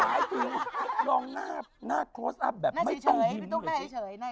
ให้พี่ถูกดูให้เฉย